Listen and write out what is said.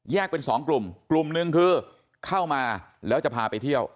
เป็นสองกลุ่มกลุ่มหนึ่งคือเข้ามาแล้วจะพาไปเที่ยว